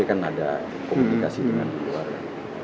kan ada komunikasi dengan keluarga